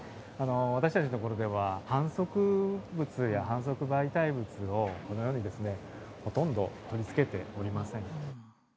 私たちのところでは、販促物や販促媒体物を、このように、ほとんど取り付けておりません。